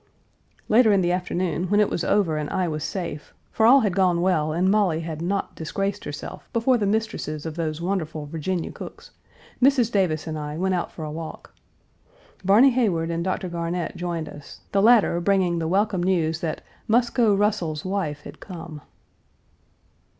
Later in the afternoon, when it was over and I was safe, for all had gone well and Molly had not disgraced herself before the mistresses of those wonderful Virginia cooks, Mrs. Davis and I went out for a walk. Barny Heyward and Dr. Garnett joined us, the latter bringing the welcome news that "Muscoe Russell's wife had come."